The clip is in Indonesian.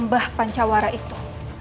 habis ada prokosa